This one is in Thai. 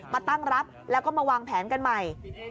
มาตั้งรับแล้วก็มาวางแผนกันใหม่